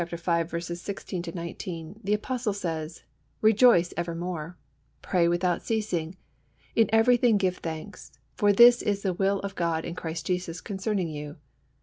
v. 16 19 the Apostle says: "Rejoice evermore. Pray without ceasing. In everything give thanks: for this is the will of God in Christ Jesus concerning you.